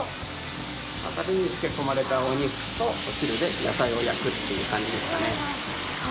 タレに漬け込まれたお肉とお汁で野菜を焼くという感じですかね。